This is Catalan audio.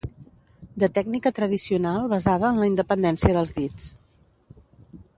De tècnica tradicional basada en la independència dels dits.